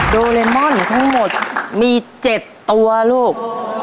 โดเรมอนอยู่ทั้งหมดมีเจ็ดตัวลูก